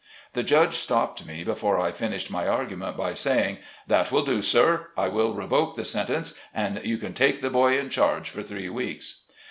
The judge stopped me before I finished my argument, by saying, "That will do, Sir; I will revoke the sentence, and you can take the boy in charge for three weeks."